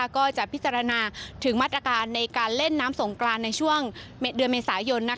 ก็จะพิจารณาถึงมาตรการในการเล่นน้ำสงกรานในช่วงเดือนเมษายน